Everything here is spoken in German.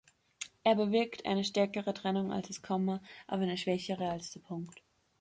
Er bewirkt eine stärkere Trennung als das Komma, aber eine schwächere als der Punkt.